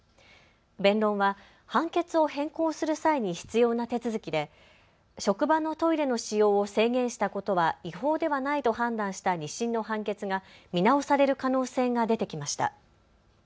弁論は判決を変更する際に必要な手続きで職場のトイレの使用を制限したことは違法ではないと判断した２審の判決が見直される可能性が出てきました。